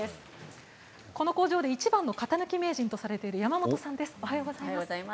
この工場でいちばんの型抜き名人とされている山本さんです。